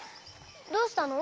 どうしたの？